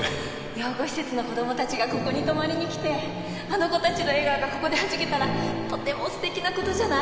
養護施設の子供たちがここに泊まりに来てあの子たちの笑顔がここではじけたらとても素敵な事じゃない？